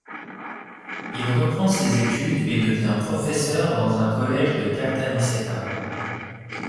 Il reprend ses études et devient professeur dans un collège de Caltanissetta.